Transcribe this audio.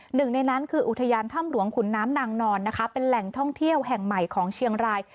หนึ่งในนั้นคืออุทยานถ้ำหลวงขุนน้ำนางนอนนะคะเป็นแหล่งท่องเที่ยวแห่งใหม่ของเชียงราย